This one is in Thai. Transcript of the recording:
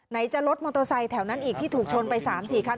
จะรถมอเตอร์ไซค์แถวนั้นอีกที่ถูกชนไป๓๔คัน